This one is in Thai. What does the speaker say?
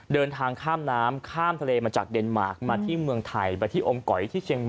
เดินทางข้ามน้ำข้ามทะเลมาจากเดนมาร์คมาที่เมืองไทย